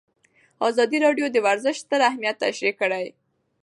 ازادي راډیو د ورزش ستر اهميت تشریح کړی.